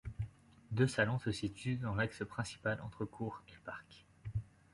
Deux salons se situent dans l'axe principal entre cour et parc.